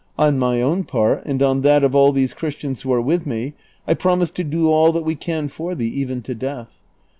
On my own part, and on that of all these Christians who are with me, I promise to do all that we can for thee, even to death.